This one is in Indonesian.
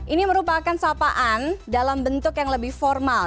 ini merupakan sapaan dalam bentuk yang lebih formal